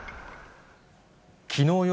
きのう夜、